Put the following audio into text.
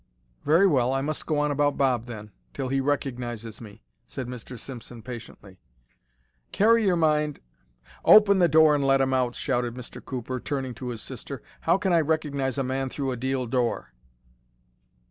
"Very well, I must go on about Bob, then—till he recognizes me," said Mr. Simpson, patiently. "Carry your mind—" "Open the door and let him out," shouted Mr. Cooper, turning to his sister. "How can I recognize a man through a deal door?"